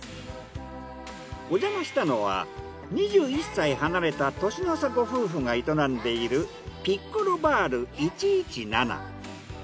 おじゃましたのは２１歳離れた年の差ご夫婦が営んでいるピッコロバール１１７。